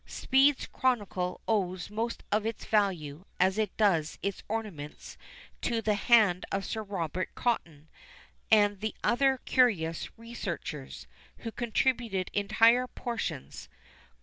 Speed's Chronicle owes most of its value, as it does its ornaments, to the hand of Sir Robert Cotton, and other curious researchers, who contributed entire portions.